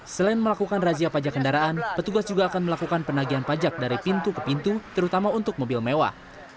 selain melakukan razia pajak kendaraan petugas juga akan melakukan penagihan pajak dari pintu ke pintu terutama untuk mobil mewah